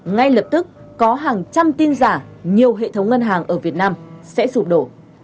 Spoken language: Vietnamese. ngay lập tức có hàng trăm tin giả nhiều hệ thống ngân hàng ở việt nam sẽ sụp đổ